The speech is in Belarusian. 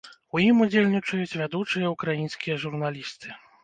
У ім удзельнічаюць вядучыя ўкраінскія журналісты.